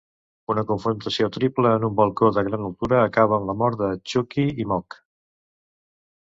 Una confrontació triple en un balcó de gran altura acaba en la mort de Chucky i Moke.